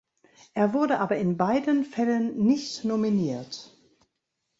Er wurde aber in beiden Fällen nicht nominiert.